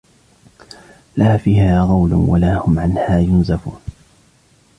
لا فيها غول ولا هم عنها ينزفون